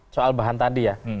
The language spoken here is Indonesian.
soal bahan tadi ya